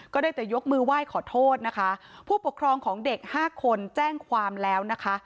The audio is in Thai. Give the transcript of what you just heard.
ได้แต่ยกมือไหว้ขอโทษนะคะผู้ปกครองของเด็กห้าคนแจ้งความแล้วนะคะ